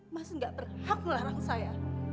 masih gak berhak melarang saya